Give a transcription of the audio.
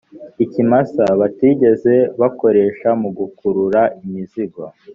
ikimasa batigeze bakoresha mu gukurura imizigo.